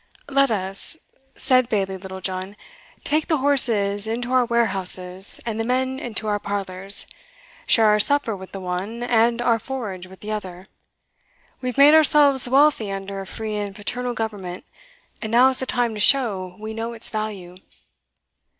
"Let us," said Bailie Littlejohn, "take the horses into our warehouses, and the men into our parlours share our supper with the one, and our forage with the other. We have made ourselves wealthy under a free and paternal government, and now is the time to show we know its value."